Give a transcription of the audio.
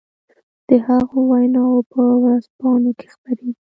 د هغو ويناوې په ورځپانو کې خپرېږي.